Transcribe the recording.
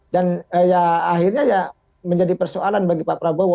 dan ya akhirnya ya menjadi persoalan bagi pak prabowo